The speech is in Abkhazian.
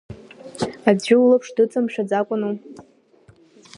Аӡәы улаԥш дыҵамшәаӡакәану?